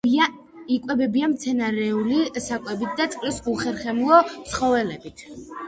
იკვებებიან მცენარეული საკვებით და წყლის უხერხემლო ცხოველებით.